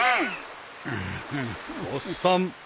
［おっさん